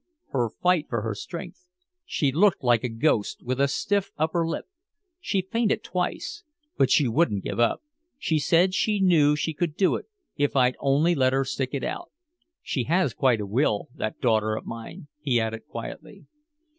"Her fight for her strength. She looked like a ghost with a stiff upper lip. She fainted twice. But she wouldn't give up. She said she knew she could do it if I'd only let her stick it out. She has quite a will, that daughter of mine," he added quietly.